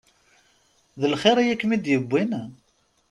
D lxir i ak-m-id-yewwin?